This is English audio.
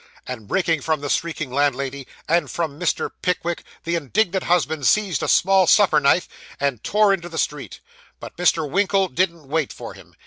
And breaking from the shrieking landlady, and from Mr. Pickwick, the indignant husband seized a small supper knife, and tore into the street. But Mr. Winkle didn't wait for him.